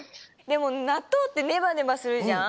でもなっとうってネバネバするじゃん。